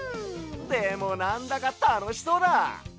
でもなんだかたのしそうだ！